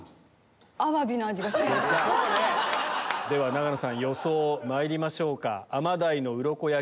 永野さん予想まいりましょうか。